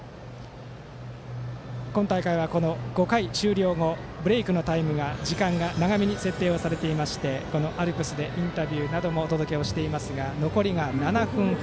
今大会は５回終了後のブレークの時間が長めに設定されていましてアルプスでインタビューなどもお届けをしていますが残りが７分程。